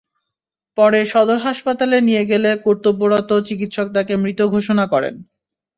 পরে সদর হাসপাতালে নিয়ে গেলে কর্তব্যরত চিকিৎসক তাকে মৃত ঘোষণা করেন।